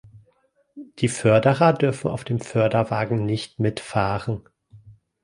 Die Förderer dürfen auf den Förderwagen nicht mitfahren.